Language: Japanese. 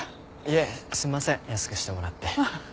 いえすみません安くしてもらって。